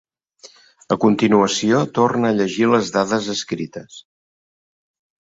A continuació, torna a llegir les dades escrites.